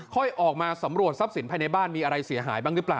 ค่อยออกมาสำรวจทรัพย์สินภายในบ้านมีอะไรเสียหายบ้างหรือเปล่า